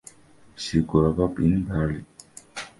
She grew up in Berlin.